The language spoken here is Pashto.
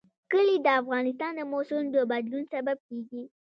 کلي د افغانستان د موسم د بدلون سبب کېږي.